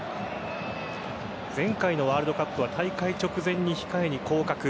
前回のワールドカップは大会直前に控えに降格。